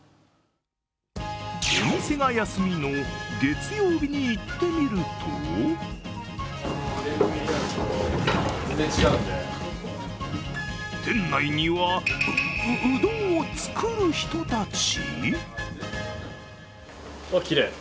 お店が休みの月曜日に行ってみると店内には、うどんを作る人たち？